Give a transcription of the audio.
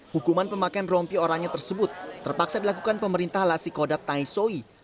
hukuman pemakaian rompi oranya tersebut terpaksa dilakukan pemerintah lasikodat taisoi